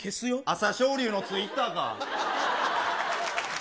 朝青龍のツイッターか。